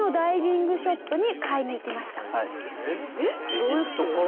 エジプトから？